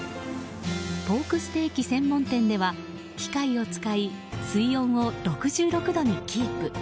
ポークステーキ専門店では機械を使い水温を６６度にキープ。